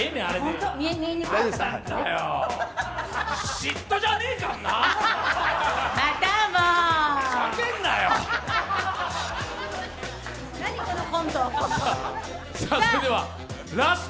嫉妬じゃねえかんなっ！